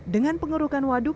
dengan penggerukan waduk